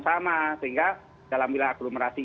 sama sehingga dalam wilayah aglomerasi